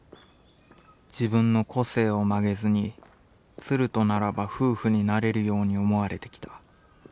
自分の個性をまげずに鶴とならば夫婦になれるように思われて来た。